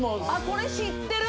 これ知ってる！